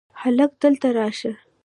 هلکه! دلته راشه!